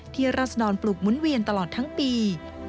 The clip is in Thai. ที่รัศนอนปลูกมุ้นเวียนตลอดทั้งปี